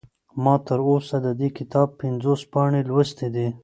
ما تر اوسه د دې کتاب پنځوس پاڼې لوستلي دي.